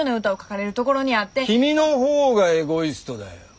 君の方がエゴイストだよ。